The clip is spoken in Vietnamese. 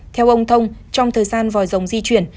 theo ông thông trong thời gian vòi rồng di chuyển